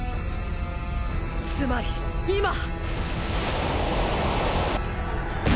つまり今。